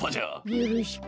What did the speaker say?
よろしく。